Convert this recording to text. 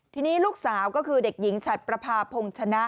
ทีนี้ลูกสาวก็คือเด็กหญิงฉัดประพาพงศ์ชนะ